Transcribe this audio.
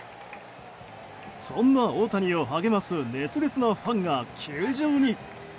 そんな大谷を励ます熱烈なファンが球場に。